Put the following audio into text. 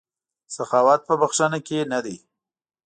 سخاوت په بښنه کې نه دی.